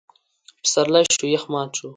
پسرلی شو؛ يخ مات شو.